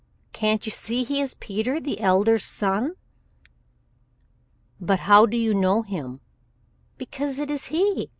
Can't you see he is Peter, the Elder's son?" "But how do you know him?" "Because it is he.